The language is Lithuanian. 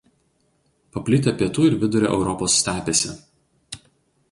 Paplitę Pietų ir Vidurio Europos stepėse.